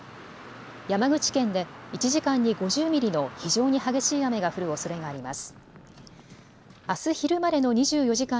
山口県で１時間に５０ミリの非常に激しい雨が降るおそれがあります。